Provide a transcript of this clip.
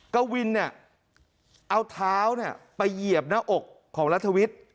กวินเนี่ยเอาเท้าไปเหยียบหน้าอกของรัฐวิทย์